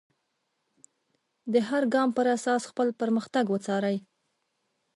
د هر ګام پر اساس خپل پرمختګ وڅارئ.